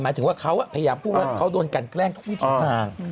ถึงว่าเขาพยายามพูดว่าเขาโดนกันแกล้งทุกวิถีทาง